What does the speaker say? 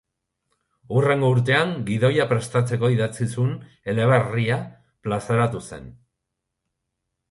Hurrengo urtean gidoia prestatzeko idatzi zuen eleberria plazaratu zen.